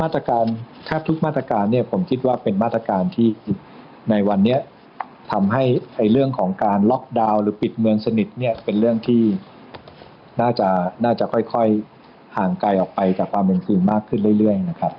แทบทุกมาตรการเนี่ยผมคิดว่าเป็นมาตรการที่ในวันนี้ทำให้เรื่องของการล็อกดาวน์หรือปิดเมืองสนิทเนี่ยเป็นเรื่องที่น่าจะค่อยห่างไกลออกไปจากความเป็นคืนมากขึ้นเรื่อยนะครับ